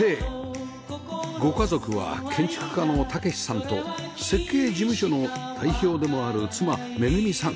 ご家族は建築家の猛さんと設計事務所の代表でもある妻恵さん